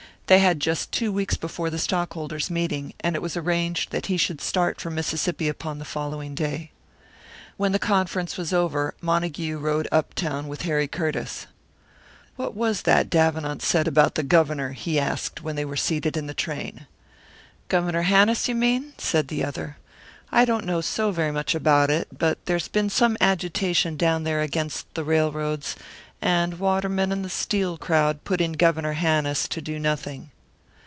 They had just two weeks before the stockholders' meeting, and it was arranged that he should start for Mississippi upon the following day. When the conference was over, Montague rode up town with Harry Curtiss. "What was that Davenant said about the Governor?" he asked, when they were seated in the train. "Governor Hannis, you mean?" said the other. "I don't know so very much about it, but there's been some agitation down there against the railroads, and Waterman and the Steel crowd put in Governor Hannis to do nothing."